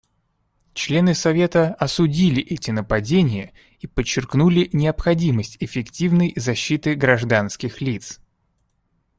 Члены Совета осудили эти нападения и подчеркнули необходимость эффективной защиты гражданских лиц.